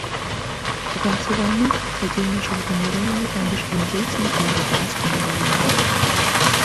У канцы вайны садзейнічаў замірэнню паміж індзейцамі і брытанскімі ваеннымі.